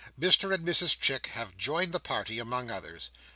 Mr and Mrs Chick have joined the party, among others.